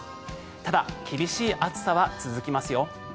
ただ、厳しい暑さは続きますよ。